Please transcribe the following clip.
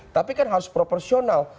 tapi kan harus proporsional